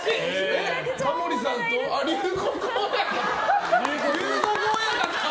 タモリさんと龍谷親方。